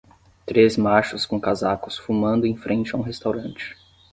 Três machos com casacos fumando em frente a um restaurante.